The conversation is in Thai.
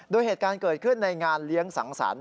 โดยเหตุการณ์เกิดขึ้นในงานเลี้ยงสังสรรค